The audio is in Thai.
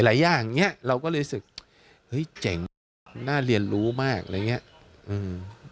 อย่างเนี้ยเราก็เลยรู้สึกเฮ้ยเจ๋งน่าเรียนรู้มากอะไรอย่างเงี้ยอืม